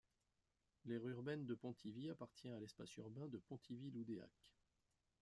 L’aire urbaine de Pontivy appartient à l’espace urbain de Pontivy-Loudéac.